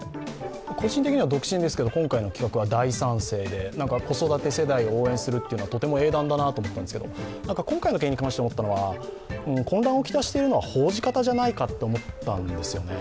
個人的には独身ですけど今回の企画は大賛成で子育て世代を応援するというのはとても英断だなと思ったんですけど、今回の件に関して思ったのは混乱を来しているのは報じ方じゃないかと思ったんですね。